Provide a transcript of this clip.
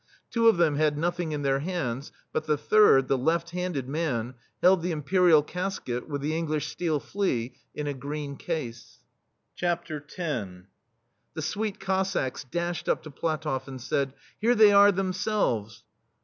Two of them had nothing in their hands, but the third, the left handed man, held the Imperial casket with the English steel flea, in a green case. X The Suite Cossacks dashed up to PlatofF and said :" Here they are themselves